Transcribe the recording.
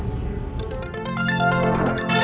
เหมือนเล็บตลอดเวลา